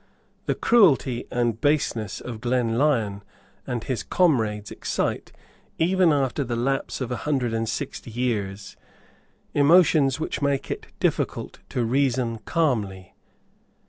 The cruelty and baseness of Glenlyon and his comrades excite, even after the lapse of a hundred and sixty years, emotions which make it difficult to reason calmly.